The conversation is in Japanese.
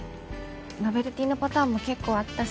ノベルティのパターンも結構あったし。